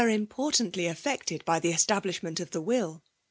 319 importantly affected by the establishment of tha will.